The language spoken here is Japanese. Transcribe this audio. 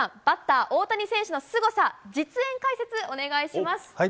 バッター大谷選手のすごさ実演解説、お願いします。